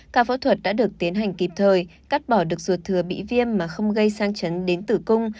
ca phẫu thuật đã được tiến hành kịp thời cắt bỏ được ruột thừa bị viêm mà không gây sang chấn đến tử cung